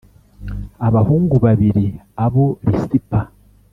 abahungu babiri abo Risipa